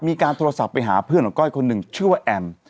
มีการโทรศัพท์ไปหาเพื่อนของก้อยคนหนึ่งชื่อว่าแอม